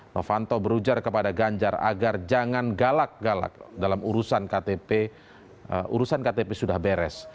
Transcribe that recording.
novanto berujar kepada ganjar agar jangan galak galak dalam urusan ktp urusan ktp sudah beres